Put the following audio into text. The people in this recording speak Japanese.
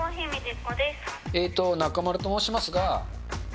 えーと、中丸と申しますが。